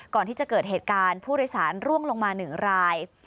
ก่อนที่จะเกิดเหตุการณ์ผู้โดยสารร่วงลงมา๑ราย